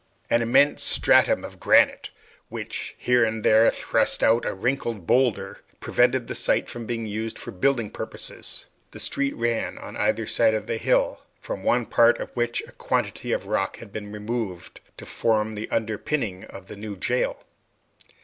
An immense stratum of granite, which here and there thrust out a wrinkled boulder, prevented the site from being used for building purposes. The street ran on either side of the hill, from one part of which a quantity of rock had been removed to form the underpinning of the new jail.